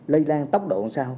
lây lan tốc độ sao